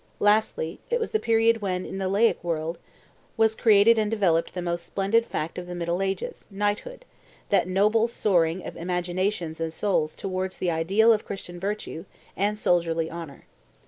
Lastly, it was the period when, in the laic world, was created and developed the most splendid fact of the middle ages, knighthood, that noble soaring of imaginations and souls towards the ideal of Christian virtue and soldierly honor.